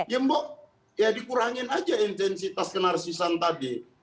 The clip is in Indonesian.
ya mbok ya dikurangin aja intensitas ke narsisan tadi